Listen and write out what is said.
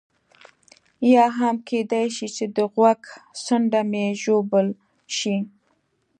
یا هم کېدای شي چې د غوږ څنډه مې ژوبل شي.